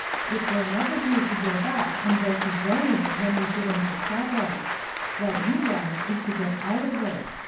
It will never do to give up, and go to groaning when we get into trouble. What you want is to get out of it.